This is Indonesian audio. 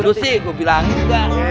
lu sih gua bilangin juga